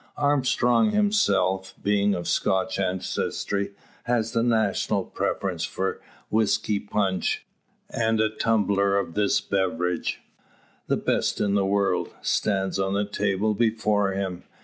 Armstrong himself, being of Scotch ancestry, has the national preference for whisky punch; and a tumbler of this beverage the best in the world stands on the table before him.